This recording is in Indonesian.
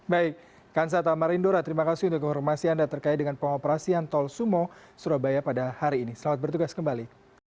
baik kansa tamarindora terima kasih untuk informasi anda terkait dengan pengoperasian tol sumo surabaya pada hari ini selamat bertugas kembali